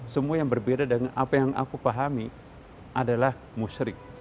semua yang berbeda dengan apa yang aku pahami adalah musyrik